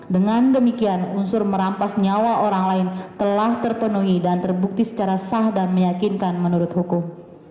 dengan demikian unsur merampas nyawa orang lain telah terpenuhi dan terbukti secara sah dan meyakinkan menurut hukum